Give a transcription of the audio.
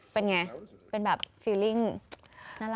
เป็นไงเป็นแบบรู้สึกน่ารัก